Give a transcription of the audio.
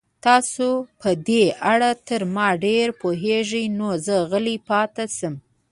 تاسو په دې اړه تر ما ډېر پوهېږئ، نو زه غلی پاتې شم.